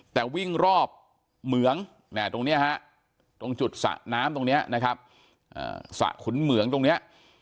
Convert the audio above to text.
แต่วิ่งรอบเหมืองตรงจุดสระน้ำตรงนี้สระขุนเหมืองตรงนี้